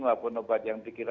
maupun obat yang dikira